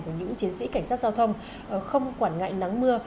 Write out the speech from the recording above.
của những chiến sĩ cảnh sát giao thông không quản ngại nắng mưa